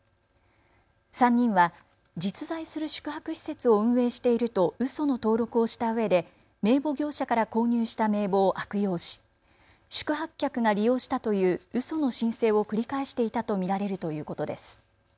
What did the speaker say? ３人は実在する宿泊施設を運営しているとうその登録をしたうえで名簿業者から購入した名簿を悪用し宿泊客が利用したといううその申請を繰り返していたと見られるということです。